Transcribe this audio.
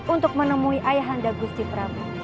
untuk menemui ayahanda gusti prabu